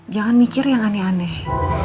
jangan mikir yang aneh aneh